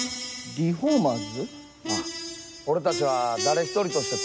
リフォーマーズ！